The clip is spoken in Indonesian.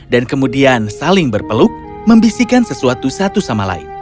dan kemudian saling berpeluk membisikkan sesuatu satu sama lain